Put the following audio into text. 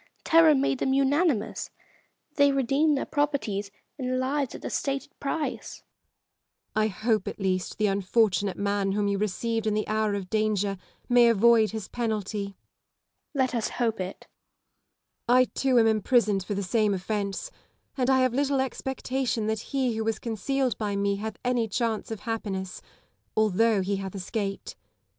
Terror made them unanimous : they redeemed their properties and lives at the stated price. Elizabeth Gaunt. I hope, at least, the unfortunate man whom you received in the hour of danger may avoid his penalty. Lady Lisle. Let us hope it. Elizabeth Gaunt. I, too, am imprisoned for the same ofience ; and I have little expectation that he who was con cealed by me hath any chance of happiness, although he hath escaped.